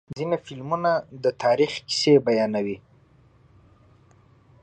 ځینې فلمونه د تاریخ کیسې بیانوي.